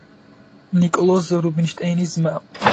ნიკოლოზ რუბინშტეინის ძმა.